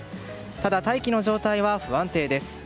ただ、大気の状態は不安定です。